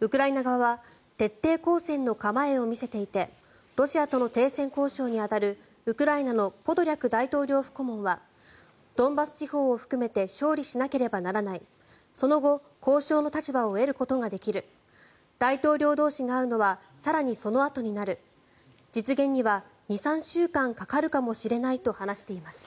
ウクライナ側は徹底抗戦の構えを見せていてロシアとの停戦交渉に当たるウクライナのポドリャク大統領府顧問はドンバス地方を含めて勝利しなければならないその後、交渉の立場を得ることができる大統領同士が会うのは更にそのあとになる実現には２３週間かかるかもしれないと話しています。